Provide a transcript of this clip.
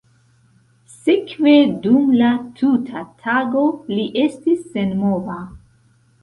Sekve dum la tuta tago li estis senmova.